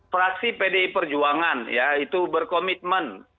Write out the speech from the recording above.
fraksi pdi perjuangan ya itu berkomitmen